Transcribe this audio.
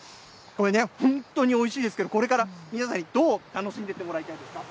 これね、本当においしいですけど、これから皆さんにどう楽しんでいってもらいたいですか？